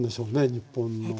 日本のね。